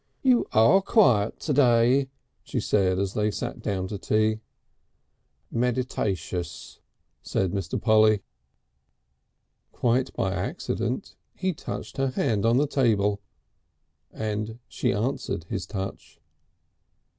"You are quiet to day," she said as they sat down to tea. "Meditatious," said Mr. Polly. Quite by accident he touched her hand on the table, and she answered his touch.